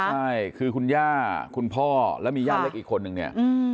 ใช่คือคุณย่าคุณพ่อแล้วมีย่าเล็กอีกคนนึงเนี่ย